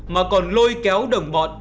mà còn lôi kéo đồng bọn